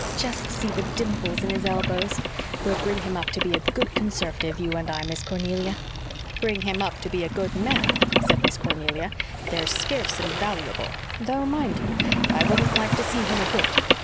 Just see the dimples in his elbows. We'll bring him up to be a good Conservative, you and I, Miss Cornelia." "Bring him up to be a good man," said Miss Cornelia. "They're scarce and valuable; though, mind you, I wouldn't like to see him a Grit.